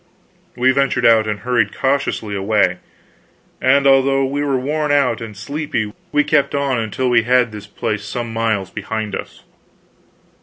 We ventured out, and hurried cautiously away; and although we were worn out and sleepy, we kept on until we had put this place some miles behind us.